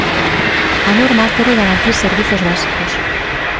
A norma quere garantir servizos básicos.